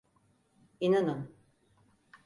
İnanın.